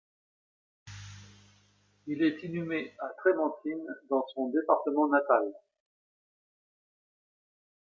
Il est inhumé à Trémentines dans son département natal.